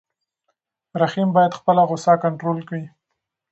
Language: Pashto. رحیم باید خپله غوسه کنټرول کړي.